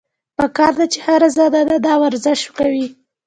پکار ده چې هره زنانه دا ورزش کوي -